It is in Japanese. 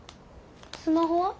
スマホは？